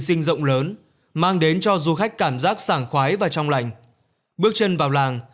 sinh rộng lớn mang đến cho du khách cảm giác sảng khoái và trong lạnh bước chân vào làng